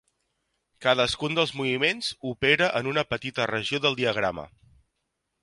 Cadascun dels moviments opera en una petita regió del diagrama.